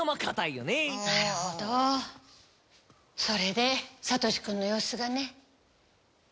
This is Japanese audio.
それでサトシくんの様子がね。